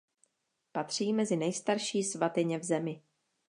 Patří mezi nejstarší svatyně v zemi.